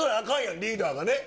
リーダーがね。